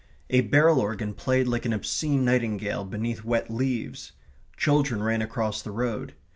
A barrel organ played like an obscene nightingale beneath wet leaves. Children ran across the road.